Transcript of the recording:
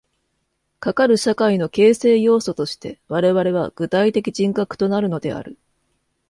かかる社会の形成要素として我々は具体的人格となるのである。